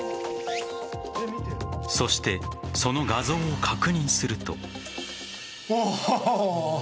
そして、その画像を確認すると。